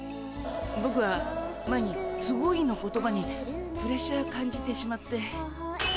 ボクは前に「すごい」の言葉にプレッシャー感じてしまって。